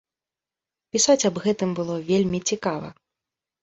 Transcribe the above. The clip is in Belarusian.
Пісаць аб гэтым было вельмі цікава.